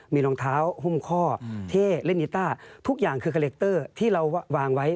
มีรองเท้าหุ้มข้อที่เล่นกีต้าทุกอย่างคือคาเล็กเตอร์ที่เราวางไว้